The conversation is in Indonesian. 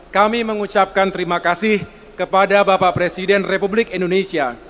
kami mengucapkan terima kasih kepada bapak presiden republik indonesia